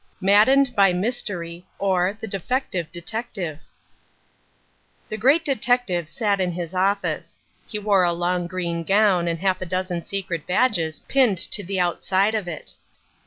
Maddened by Mystery: or, The Defective Detective The great detective sat in his office. He wore a long green gown and half a dozen secret badges pinned to the outside of it.